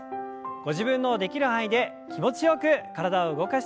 ご自分のできる範囲で気持ちよく体を動かしていきましょう。